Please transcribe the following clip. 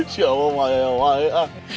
si abah mbah